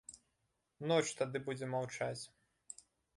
Ноч тады будзе маўчаць.